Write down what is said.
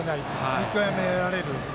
見極められる。